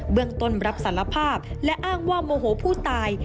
เมืองต้นรับสารภาพและอ้างว่าโมโหผู้ตาย